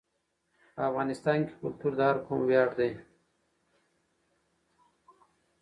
په افغانستان کې کلتور د هر قوم ویاړ دی.